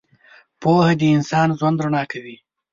• پوهه د انسان ژوند رڼا کوي.